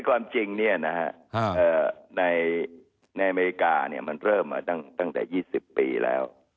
ความจริงเนี่ยนะฮะในอเมริกาเนี่ยมันเริ่มมาตั้งแต่๒๐ปีแล้ว